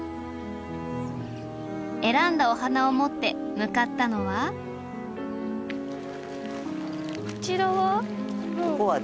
選んだお花を持って向かったのはこちらは？